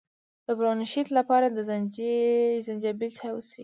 د برونشیت لپاره د زنجبیل چای وڅښئ